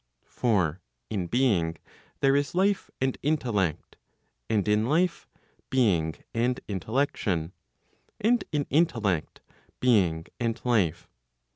For in being there is life and intellect; and in life, being and intellection; and in intellect being and life.